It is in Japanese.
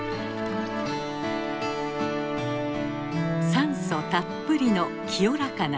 酸素たっぷりの清らかな水。